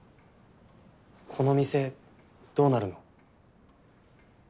この店どうなるの？